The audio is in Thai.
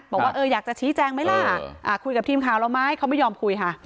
บอกว่าอยากจะชี้แจงไหมล่ะคุยกับทีมข่าวเราไหมเขาไม่ยอมคุยค่ะ